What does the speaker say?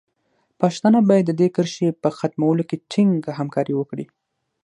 پښتانه باید د دې کرښې په ختمولو کې ټینګه همکاري وکړي.